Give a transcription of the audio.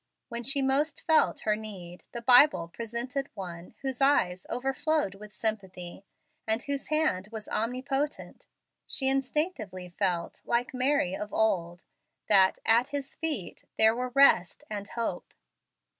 When she most felt her need, the Bible presented One whose eyes overflowed with sympathy, and whose hand was omnipotent. She instinctively felt, like Mary of old, that, at "His feet," there were rest and hope.